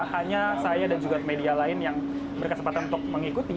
hanya saya dan juga media lain yang berkesempatan untuk mengikuti